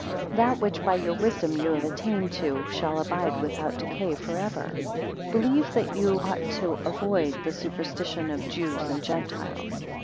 3 That which by your wisdom you have attained to, shall abide without decay for ever. 4 Believe that you ought to avoid the superstitions of Jews and Gentiles.